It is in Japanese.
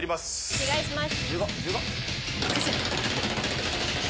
お願いします。